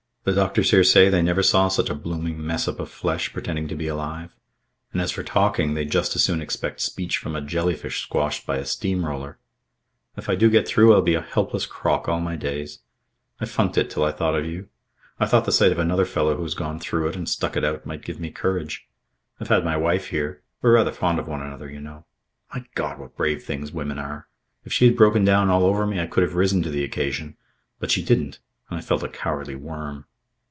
"The doctors here say they never saw such a blooming mess up of flesh pretending to be alive. And as for talking, they'd just as soon expect speech from a jellyfish squashed by a steam roller. If I do get through, I'll be a helpless crock all my days. I funked it till I thought of you. I thought the sight of another fellow who has gone through it and stuck it out might give me courage. I've had my wife here. We're rather fond of one another, you know ... My God! what brave things women are! If she had broken down all over me I could have risen to the occasion. But she didn't, and I felt a cowardly worm."